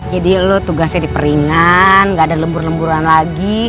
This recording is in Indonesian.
jadi lo tugasnya diperingan gak ada lembur lemburan lagi